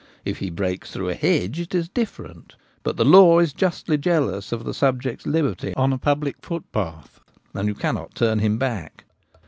If he breaks through a hedge it is different ; but the law is justly jealous of the subject's liberty on a public foot path, and you cannot turn him back.